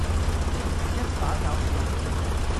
一把鉸剪